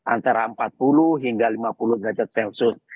antara empat puluh hingga lima puluh derajat celcius